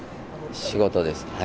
仕事です。